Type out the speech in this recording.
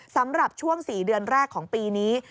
สำหรับช่วง๔เดือนแรกของปีนี้